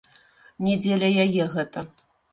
Не дзеля яе гэта.